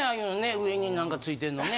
上に何か付いてんのね。